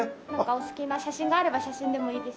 お好きな写真があれば写真でもいいですし。